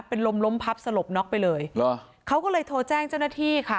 เป็นลมล้มพับสลบน็อกไปเลยเหรอเขาก็เลยโทรแจ้งเจ้าหน้าที่ค่ะ